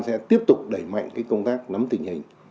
sẽ tiếp tục đẩy mạnh công tác nắm tình hình